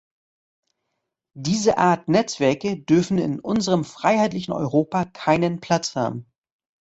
Diese Art Netzwerke dürfen in unserem freiheitlichen Europa keinen Platz haben.